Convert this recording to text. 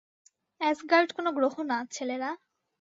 Asgard কোনো গ্রহ না, ছেলেরা।